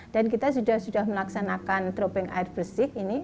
dan kita sudah sudah melaksanakan dropping air bersih ini